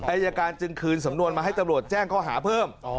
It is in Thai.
อายการจึงคืนสำนวนมาให้ตำรวจแจ้งข้อหาเพิ่ม